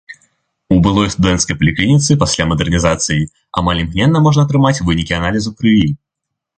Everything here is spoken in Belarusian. У былой студэнцкай паліклініцы пасля мадэрнізацыі амаль імгненна можна атрымаць вынікі аналізу крыві.